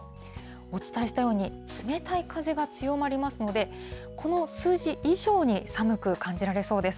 お伝えしたように、冷たい風が強まりますので、この数字以上に寒く感じられそうです。